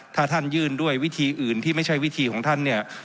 ถ้าท่านยื่นด้วยวิธีอื่นที่ไม่ใช่วิธีของท่านเนี่ย